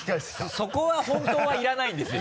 そこは本当はいらないんですよ。